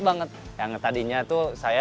banget yang tadinya tuh saya